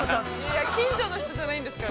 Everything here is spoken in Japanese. ◆いや、近所の人じゃないんですから。